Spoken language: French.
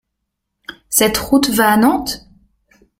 Cette route va à Nantes ?